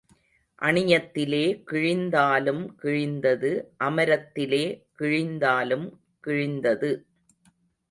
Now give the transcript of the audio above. அணியத்திலே கிழிந்தாலும் கிழிந்தது அமரத்திலே கிழிந்தாலும் கிழிந்தது.